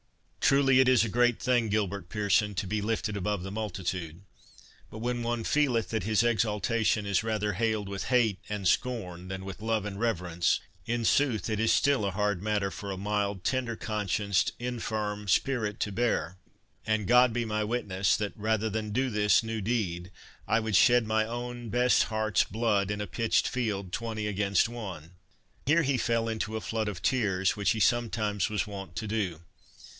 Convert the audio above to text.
'—Truly it is a great thing, Gilbert Pearson, to be lifted above the multitude; but when one feeleth that his exaltation is rather hailed with hate and scorn than with love and reverence—in sooth, it is still a hard matter for a mild, tender conscienced, infirm spirit to bear—and God be my witness, that, rather than do this new deed, I would shed my own best heart's blood in a pitched field, twenty against one." Here he fell into a flood of tears, which he sometimes was wont to do.